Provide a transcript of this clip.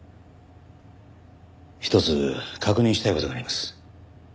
一つ確認したい事があります。